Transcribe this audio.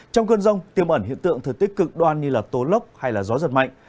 trong cơn rông tiêm ẩn hiện tượng thời tiết cực đoan như tố lấp hay gió giật mạnh